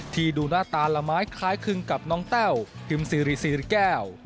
ดูหน้าตาละไม้คล้ายคลึงกับน้องแต้วพิมซีรีซีริแก้ว